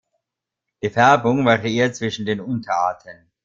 Die Färbung variiert zwischen den Unterarten.